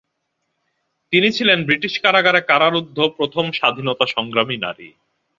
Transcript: তিনি ছিলেন ব্রিটিশ কারাগারে কারারুদ্ধ প্রথম স্বাধীনতা সংগ্রামী নারী।